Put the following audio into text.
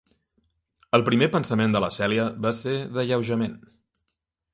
El primer pensament de la Celia va ser d'alleujament.